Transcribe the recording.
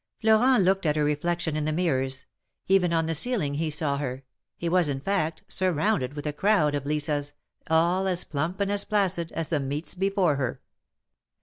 , Florent looked at her reflection in the mirrors ; even on jthe ceiling he saw her — he was, in fact, surrounded with a crowd of Lisas, all as plump and as placid, as the meats before her.